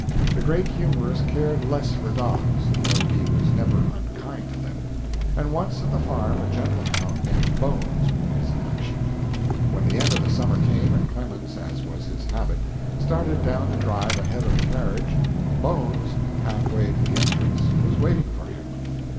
The great humorist cared less for dogs, though he was never unkind to them, and once at the farm a gentle hound named Bones won his affection. When the end of the summer came and Clemens, as was his habit, started down the drive ahead of the carriage, Bones, half way to the entrance, was waiting for him.